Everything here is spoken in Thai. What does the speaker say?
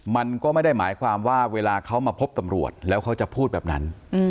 มันก็ไม่ได้หมายความว่าเวลาเขามาพบตำรวจแล้วเขาจะพูดแบบนั้น